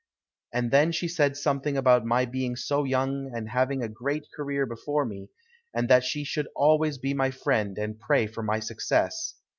And then she said something about my being so young and having a great career before me, and that she should always be my friend and pray for my success.